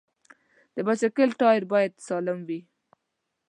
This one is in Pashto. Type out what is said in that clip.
د بایسکل ټایر باید سالم وي.